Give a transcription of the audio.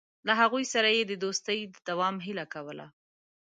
له هغوی سره یې د دوستۍ د دوام هیله کوله.